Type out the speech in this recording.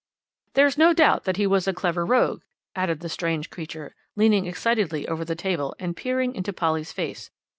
"There's no doubt that he was a clever rogue," added the strange creature, leaning excitedly over the table, and peering into Polly's face.